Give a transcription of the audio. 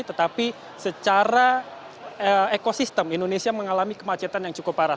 tetapi secara ekosistem indonesia mengalami kemacetan yang cukup parah